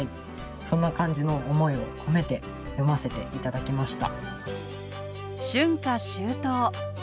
そんな感じの思いを込めて詠ませて頂きました。